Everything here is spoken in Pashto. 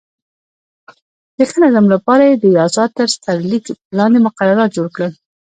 د ښه نظم لپاره یې د یاسا تر سرلیک لاندې مقررات جوړ کړل.